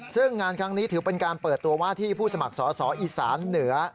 ซึ่งงานครั้งนี้ถือเป็นการเปิดตัวว่าที่ผู้สมัครสอสออีสานเหนือ